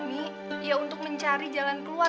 mie ya untuk mencari jalan keluar